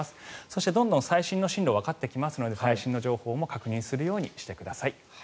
そしてどんどん最新の進路がわかってきますので最新の情報も確認するようにしてください。